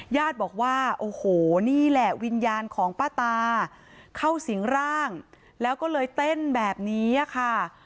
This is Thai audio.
ญาติบอกว่าโอ้โหนี่แหละวิญญาณของป้าตาเข้าสิงร่างแล้วก็เลยเต้นแบบนี้ค่ะ